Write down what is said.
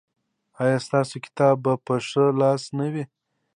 ایا ستاسو کتاب به په ښي لاس نه وي؟